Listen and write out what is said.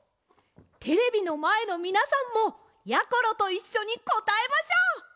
テレビのまえのみなさんもやころといっしょにこたえましょう。